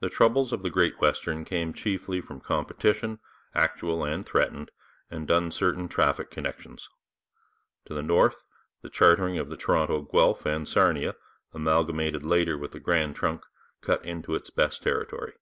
The troubles of the Great Western came chiefly from competition, actual and threatened, and uncertain traffic connections. To the north, the chartering of the Toronto, Guelph and Sarnia, amalgamated later with the Grand Trunk, cut into its best territory.